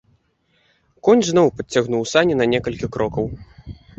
Конь зноў падцягнуў сані на некалькі крокаў.